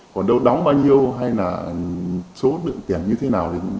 còn đâu đóng bao nhiêu hay là số lượng tiền như thế nào